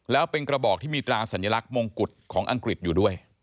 แล้วเป็นกระบอกที่มีตราสัญลักษณ์มงกุฎของอังกฤษอยู่ด้วย